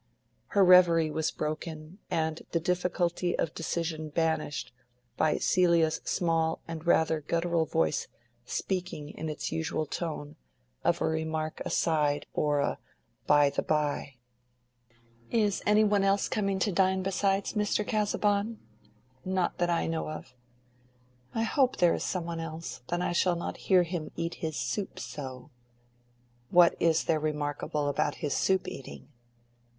Her reverie was broken, and the difficulty of decision banished, by Celia's small and rather guttural voice speaking in its usual tone, of a remark aside or a "by the bye." "Is any one else coming to dine besides Mr. Casaubon?" "Not that I know of." "I hope there is some one else. Then I shall not hear him eat his soup so." "What is there remarkable about his soup eating?"